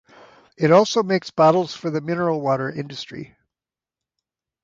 It also makes bottles for the mineral water industry.